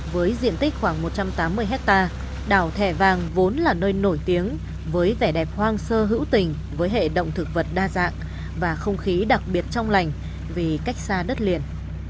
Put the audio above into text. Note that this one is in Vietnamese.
với diện tích khoảng một trăm tám mươi hectare đảo thẻ vàng vốn là nơi nổi tiếng với vẻ đẹp hoang sơ hữu tình với hệ động thực vật đa dạng và không khí đặc biệt trong lành vì cách xa đất liền